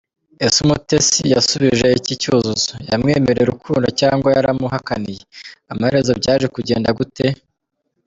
Ese Umutesi yasubije iki Cyuzuzo? Yamwemereye urukundo cyangwa yaramuhakaniye? Amaherezo byaje kugenda gute? .